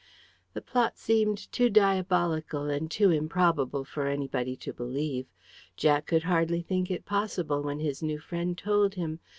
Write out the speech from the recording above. The plot seemed too diabolical and too improbable for anybody to believe. Jack could hardly think it possible when his new friend told him.